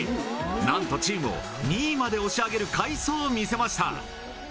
なんとチームを２位まで押し上げる快走を見せました。